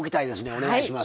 お願いします。